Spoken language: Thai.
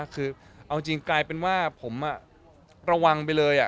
คือเอาจริงกลายเป็นว่าผมระวังไปเลย